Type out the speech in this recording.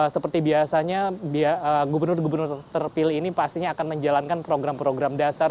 seperti biasanya gubernur gubernur terpilih ini pastinya akan menjalankan program program dasar